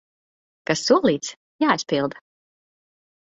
Kas solīts, jāizpilda!